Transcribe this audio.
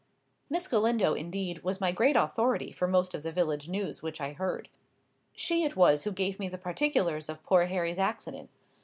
Miss Galindo, indeed, was my great authority for most of the village news which I heard. She it was who gave me the particulars of poor Harry's accident.